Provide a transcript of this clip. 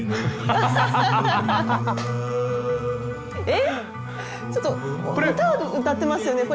えっちょっと歌歌ってますよね？